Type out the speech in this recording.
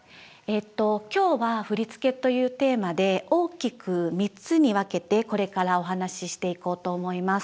今日は「振付」というテーマで大きく３つに分けてこれからお話ししていこうと思います。